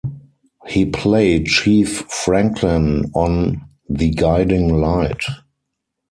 He played Chief Franklin on "The Guiding Light".